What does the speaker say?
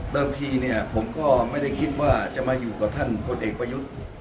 บางทีเนี่ยผมก็ไม่ได้คิดว่าจะมาอยู่กับท่านพลเอกประยุทธ์